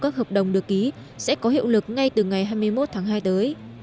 các hợp đồng được ký sẽ có hiệu lực ngay từ ngày hai mươi một tháng hai tới